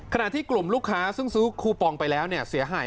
ขณะที่กลุ่มลูกค้าซึ่งซื้อคูปองไปแล้วเนี่ยเสียหาย